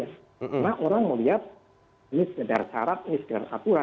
karena orang melihat ini sekedar syarat ini sekedar peraturan